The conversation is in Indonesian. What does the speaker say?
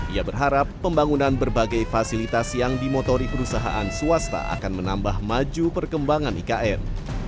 ia berharap pembangunan berbagai fasilitas yang dimotori perusahaan swasta akan menambah maju perkembangan ikn